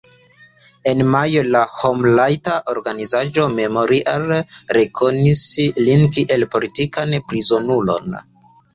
En majo la homrajta organizaĵo Memorial rekonis lin kiel politikan prizonulon.